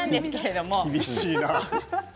厳しいな。